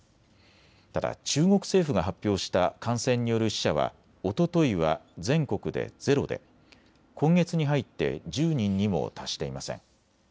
ただ中国政府が発表した感染による死者はおとといは全国でゼロで今月に入って１０人にも達していません。